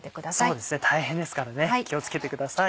そうですね大変ですからね気を付けてください。